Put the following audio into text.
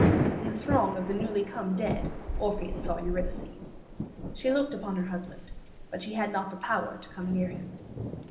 In the throng of the newly come dead Orpheus saw Eurydice. She looked upon her husband, but she had not the power to come near him.